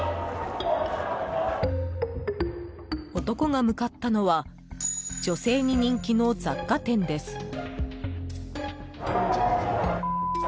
男が向かったのは女性に人気の雑貨店です。